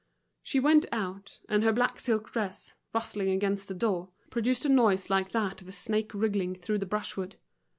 She went out, and her black silk dress, rustling against the door, produced a noise like that of a snake wriggling through the brushwood.